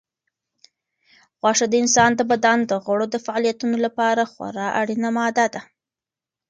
غوښه د انسان د بدن د غړو د فعالیتونو لپاره خورا اړینه ماده ده.